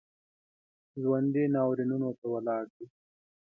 ژوندي ناورینونو ته ولاړ دي